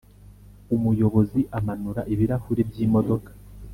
umuyobozi amanura ibirahure by' imodoka